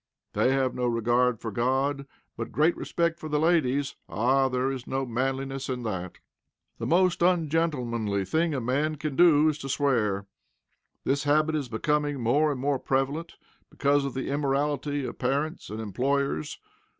They have no regard for God, but great respect for the ladies. Ah! there is no manliness in that. The most ungentlemanly thing a man can do is to swear. This habit is becoming more and more prevalent because of the immorality of parents and employers.